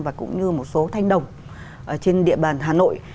và cũng như một số thanh đồng trên địa bàn hà nội